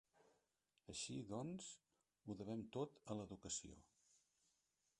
Així, doncs, ho devem tot a l'educació.